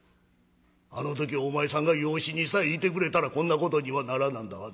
あの時お前さんが養子にさえ行てくれたらこんなことにはならなんだはず。